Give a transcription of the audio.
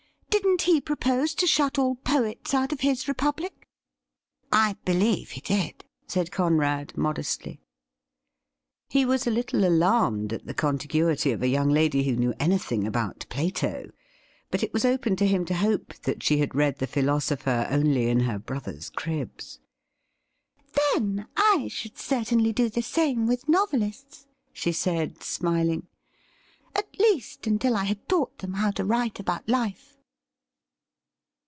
Didn't he propose to shut all poets out of his Republic ?'' I believe he did,' said Conrad modestly. He was a little alarmed at the contiguity of a young lady who knew anything about Plato, but it was open to him to hope that she had read the philosopher only in her brother's cribs. ' Then, I should certainly do the same with novelists,' she said, smiling ;' at least, until I had taught them how to write about life.'